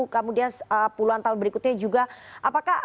kemudian puluhan tahun berikutnya juga apakah